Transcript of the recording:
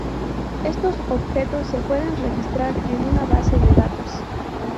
Estos objetos se pueden registrar en una base de datos.